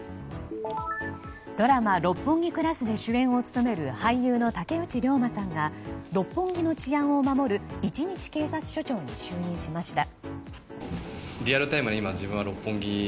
ドラマ「六本木クラス」で主演を務める俳優の竹内涼真さんが六本木の治安を守る一日警察署長に就任しました。